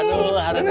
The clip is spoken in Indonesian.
aduh ada daftar